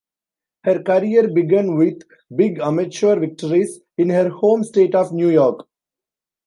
Her career began with big amateur victories in her home state of New York.